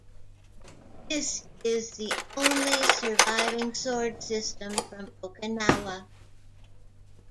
This is the only surviving sword system from Okinawa.